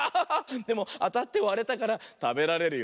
でもあたってわれたからたべられるよ。